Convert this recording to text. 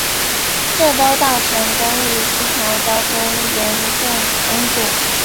这都造成公益西桥交通严重拥堵。